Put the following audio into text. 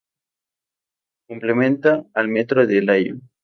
Complementa al metro de Lyon.